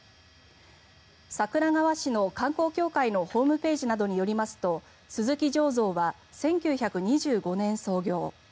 桜川市の観光協会のホームページなどによりますと鈴木醸造は１９２５年創業。